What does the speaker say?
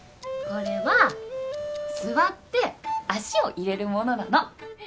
これは座って足を入れるものなの。